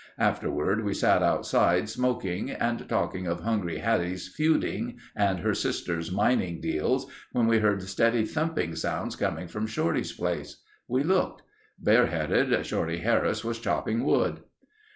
Afterward we sat outside smoking and talking of Hungry Hattie's feuding and her sister's mining deals, when we heard steady thumping sounds coming from Shorty's place. We looked. Bareheaded, Shorty Harris was chopping wood.